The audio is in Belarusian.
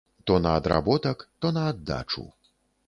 То на адработак, то на аддачу.